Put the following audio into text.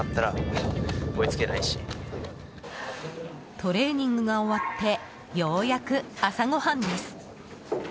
トレーニングが終わってようやく朝ごはんです。